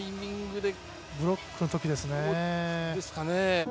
ブロックのときですね。